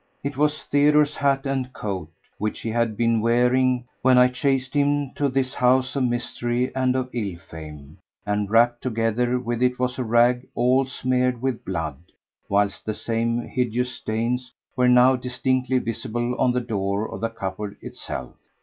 It was Theodore's hat and coat, which he had been wearing when I chased him to this house of mystery and of ill fame, and wrapped together with it was a rag all smeared with blood, whilst the same hideous stains were now distinctly visible on the door of the cupboard itself.